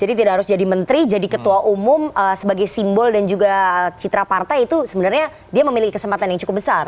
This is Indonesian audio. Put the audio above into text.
jadi kalau dia harus jadi menteri jadi ketua umum sebagai simbol dan juga citra partai itu sebenarnya dia memiliki kesempatan yang cukup besar